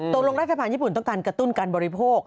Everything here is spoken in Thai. ลงรัฐบาลญี่ปุ่นต้องการกระตุ้นการบริโภค